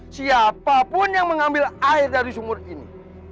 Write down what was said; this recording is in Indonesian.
siapapun yang mengambil air dari sumur ini